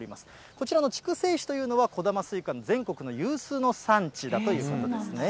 こちらの筑西市というのは、こだまスイカの全国の有数の産地だということですね。